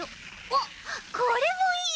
おっこれもいい。